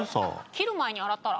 切る前に洗ったら？